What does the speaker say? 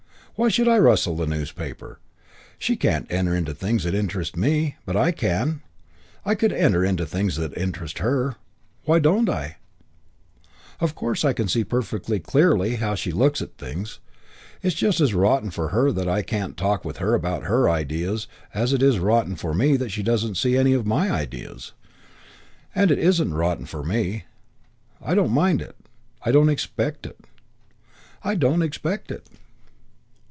Why should I rustle the newspaper? She can't enter into things that interest me; but I can, I could enter into things that interest her. Why don't I? Of course I can see perfectly clearly how she looks at things. It's just as rotten for her that I can't talk with her about her ideas as it is rotten for me that she doesn't see my ideas. And it isn't rotten for me. I don't mind it. I don't expect it. I don't expect it...."